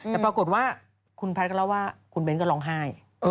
แต่ปรากฏว่าคุณแพทย์ก็เล่าว่าคุณเบ้นก็ร้องไห้